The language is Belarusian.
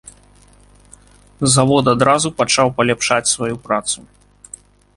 Завод адразу пачаў паляпшаць сваю працу.